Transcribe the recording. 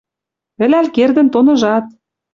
Ӹлӓл кердӹн тоныжат.